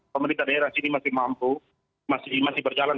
pemerintah daerah sini masih mampu masih berjalan